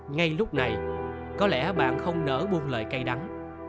ngay lúc này có lẽ bạn không nỡ buông lời cay đắng